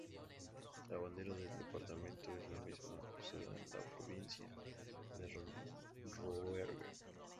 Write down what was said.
La bandera del departamento es la misma usada en la provincia de Rouergue.